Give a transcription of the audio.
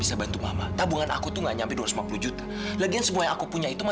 sampai jumpa di video selanjutnya